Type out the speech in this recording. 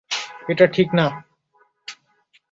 এটা ঠিক না!